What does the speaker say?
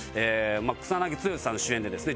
草剛さん主演でですね